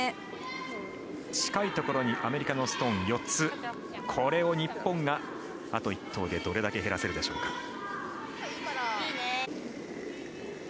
近いところにアメリカのストーン４つこれを日本があと１投でどれだけ減らせるでしょうか。